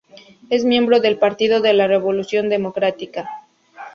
Es miembro del Partido de la Revolución Democrática.